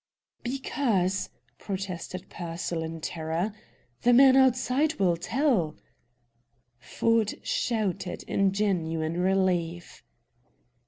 "Because," protested Pearsall, in terror, "the man outside will tell " Ford shouted in genuine relief.